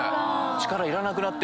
力いらなくなってんだ。